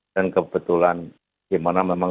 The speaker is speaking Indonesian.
dan kebetulan gimana memang